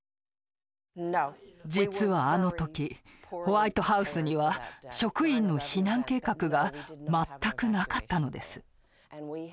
実はあの時ホワイトハウスには職員の避難計画が全くなかったのです。